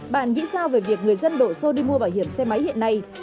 bạn nghĩ sao về việc người dân đổ xô đi mua bảo hiểm xe máy hiện nay